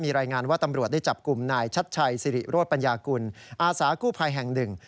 รายงานว่าตำรวจได้จับกลุ่มนายชัดชัยสิริโรธปัญญากุลอาสากู้ภัยแห่งหนึ่ง